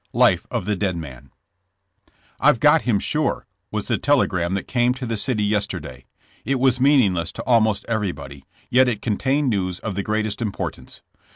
— Life^ of the Dead Man. *^ I 've got him, sure, '' was the telegram that came to the city yesterday. It was meaningless to almost everybody, yet it contained news of the greatest im portance.